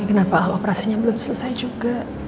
ini kenapa aloperasinya belum selesai juga